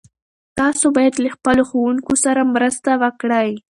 تاسو باید له خپلو ښوونکو سره مرسته وکړئ.